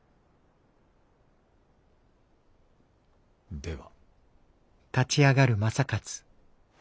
では。